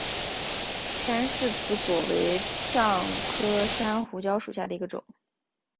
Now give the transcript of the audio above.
山柿子果为樟科山胡椒属下的一个种。